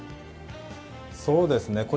そうですね。